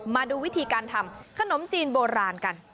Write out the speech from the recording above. มาดูวิธีการทำขนมจีนโบราณกัน